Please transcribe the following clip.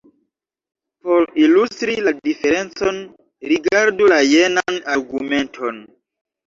Por ilustri la diferencon, rigardu la jenan argumenton.